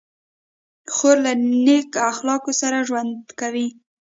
خور له نیک اخلاقو سره ژوند کوي.